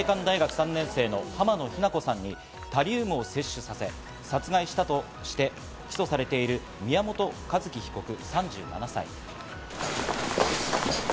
去年１０月、立命館大学３年生の浜野日菜子さんに、タリウムを摂取させ、殺害したとして起訴されている、宮本一希被告、３７歳。